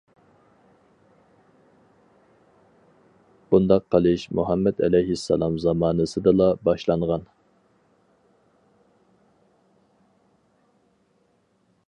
بۇنداق قىلىش مۇھەممەد ئەلەيھىسسالام زامانىسىدىلا باشلانغان.